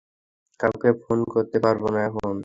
কাউকে ফোন করতে পারব না এখন।